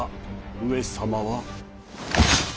上様は。